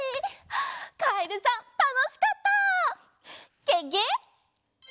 カエルさんたのしかったゲゲ。